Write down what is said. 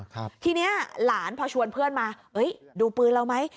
ทีเนี้ยหลานพอชวนเพื่อนมาเอ้ยดูปืนเราไหม